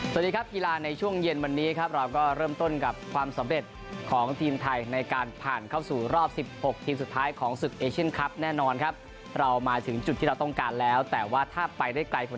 สวัสดีครับกีฬาในช่วงเย็นวันนี้ครับเราก็เริ่มต้นกับความสำเร็จของทีมไทยในการผ่านเข้าสู่รอบ๑๖ทีมสุดท้ายของศึกเอเชียนคลับแน่นอนครับเรามาถึงจุดที่เราต้องการแล้วแต่ว่าถ้าไปได้ไกลกว่า